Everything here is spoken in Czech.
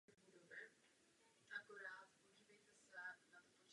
Film měl premiéru na karlovarském filmovém festivalu.